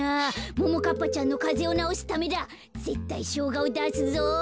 ももかっぱちゃんのかぜをなおすためだぜったいしょうがをだすぞ。